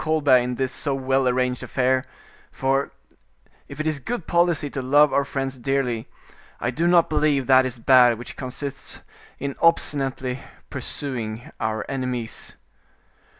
Colbert in this so well arranged affair; for, if it is good policy to love our friends dearly, I do not believe that is bad which consists in obstinately pursuing our enemies."